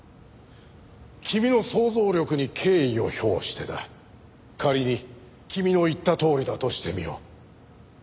君の想像力に敬意を表してだ仮に君の言ったとおりだとしてみよう。